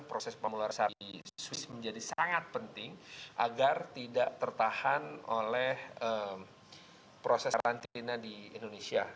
proses pemuluara sapi swiss menjadi sangat penting agar tidak tertahan oleh proses karantina di indonesia